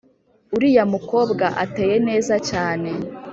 uriya mukobwa ateye neza cyane